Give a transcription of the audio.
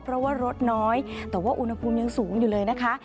เพราะว่ารถน้อยแต่ว่าอุณหภูมิยังสูงอยู่เลยนะคะ